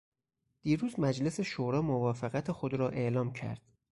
دیروز مجلس شورا موافقت خود را اعلام کرد.